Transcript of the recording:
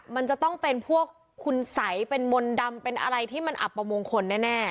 มันจะต้องเป็นพวกคุณสัยเป็นมนต์ดำเป็นอะไรที่มันอับประมงคลแน่